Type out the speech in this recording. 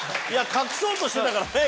隠そうとしてたからね。